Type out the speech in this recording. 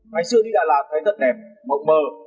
ngày xưa đi đà lạt thấy rất đẹp mộng mờ